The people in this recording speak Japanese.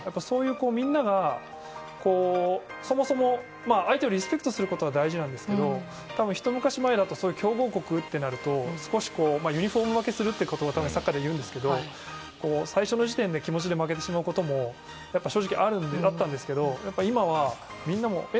みんながそもそも相手をリスペクトすることが大事なんですけど多分、ひと昔前だとそういう強豪国となると少しユニホーム負けするって言葉サッカーではいうんですけど最初の時点で気持ちで負けてしまうことも正直あったんですけど今はみんなも、え？